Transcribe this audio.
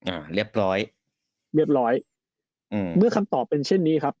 อ่าเรียบร้อยเรียบร้อยอืมเมื่อคำตอบเป็นเช่นนี้ครับ